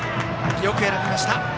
よく選びました。